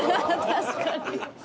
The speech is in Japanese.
確かに。